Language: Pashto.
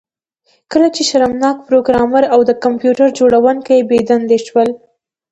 کله چې شرمناک پروګرامر او د کمپیوټر جوړونکی بې دندې شول